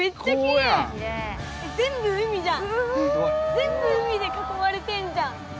全部海で囲まれてんじゃん！